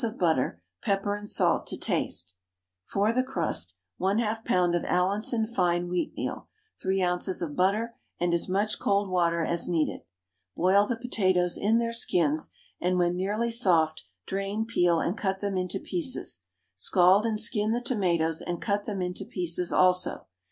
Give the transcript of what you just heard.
of butter, pepper and salt to taste. For the crust, 1/2 lb. of Allinson fine wheatmeal, 3 oz. of butter, and as much cold water as needed. Boil the potatoes in their skins, and when nearly soft drain, peel, and cut them into pieces, scald and skin the tomatoes and cut them into pieces also.